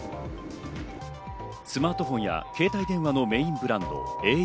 スマートフォンや携帯電話のメインブランド、ａｕ。